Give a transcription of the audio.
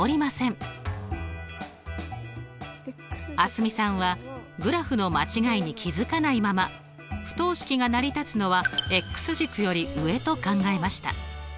蒼澄さんはグラフの間違いに気付かないまま不等式が成り立つのは軸より上と考えました。